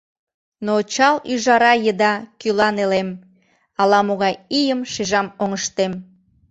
Но чал ӱжара еда кӱла нелем, Ала-могай ийым шижам оҥыштем.